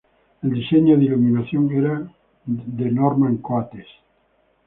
El diseño de iluminación era por Norman Coates.